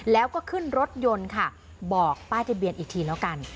แล้วก็ขึ้นรถยนต์ค่ะบอกป้ายทะเบียนอีกทีแล้วกัน